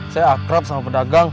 saya akrab sama pedagang